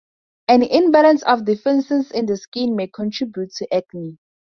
An imbalance of defensins in the skin may contribute to acne.